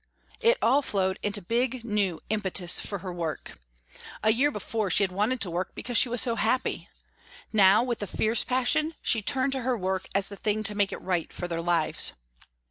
It all flowed into big new impetus for her work. A year before she had wanted to work because she was so happy, now with a fierce passion she turned to her work as the thing to make it right for their lives.